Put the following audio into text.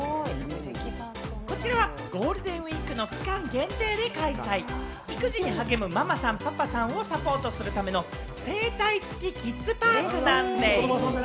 こちらはゴールデンウイークの期間限定で開催、育児に励むママさん、パパさんをサポートするための整体つきキッズパークなんです。